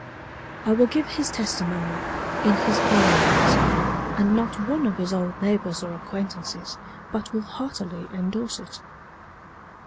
I will give his testimony in his own words, and not one of his old neighbors or acquaintances but will heartily endorse it.